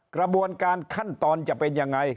กระบวนการขั้นตอนจะเป็นยังไง